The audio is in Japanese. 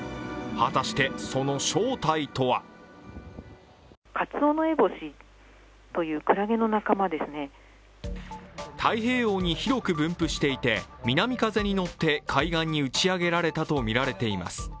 果たして、その正体とは太平洋に広く分布していて、南風に乗って海岸に打ち上げられたとみられています。